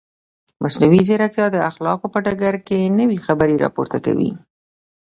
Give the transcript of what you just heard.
مصنوعي ځیرکتیا د اخلاقو په ډګر کې نوې خبرې راپورته کوي.